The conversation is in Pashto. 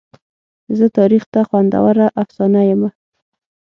زه تاریخ ته خوندوره افسانه یمه.